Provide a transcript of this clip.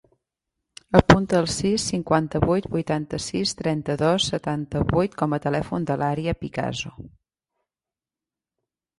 Apunta el sis, cinquanta-vuit, vuitanta-sis, trenta-dos, setanta-vuit com a telèfon de l'Ària Picazo.